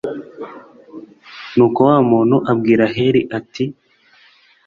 nuko wa muntu abwira heli, ati